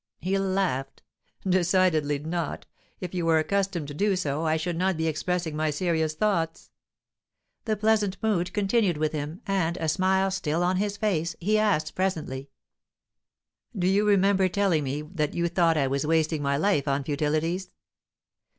He laughed. "Decidedly not. If you were accustomed to do so, I should not be expressing my serious thoughts." The pleasant mood continued with him, and, a smile still on his face, he asked presently: "Do you remember telling me that you thought I was wasting my life on futilities?"